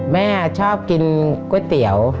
แม่ชอบกินก๋วยเตี๋ยว